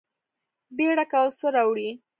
بیړه کول څه راوړي؟